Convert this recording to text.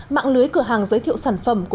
mạng lưới cửa hàng giới thiệu sản phẩm hàng hóa